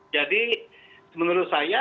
jadi menurut saya